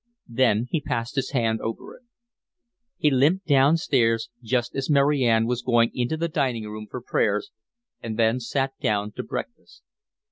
Then he passed his hand over it. He limped downstairs just as Mary Ann was going into the dining room for prayers, and then he sat down to breakfast.